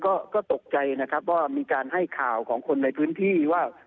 ก็ตกใจนะครับว่ามีการให้ข่าวของคนในพื้นที่ว่า